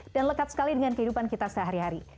dan lekat sekali dengan kehidupan kita sehari hari